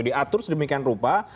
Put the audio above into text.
diatur sedemikian rupa